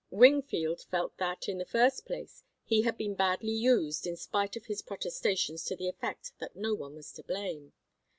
Wingfield felt that, in the first place, he had been badly used in spite of his protestations to the effect that no one was to blame.